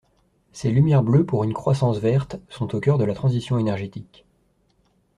Ces lumières bleues pour une croissance verte sont au cœur de la transition énergétique.